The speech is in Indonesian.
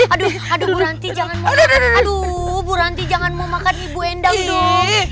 aduh aduh bu ranti jangan mudik aduh bu ranti jangan mau makan ibu endang dong